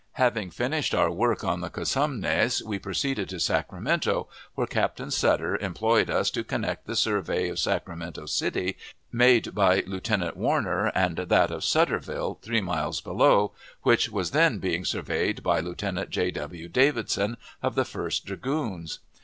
Having finished our work on the Cosumnes, we proceeded to Sacramento, where Captain Sutter employed us to connect the survey of Sacramento City, made by Lieutenant Warner, and that of Sutterville, three miles below, which was then being surveyed by Lieutenant J. W. Davidson, of the First Dragoons.